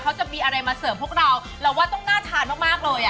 เขาจะมีอะไรมาเสิร์ฟพวกเราเราว่าต้องน่าทานมากมากเลยอ่ะ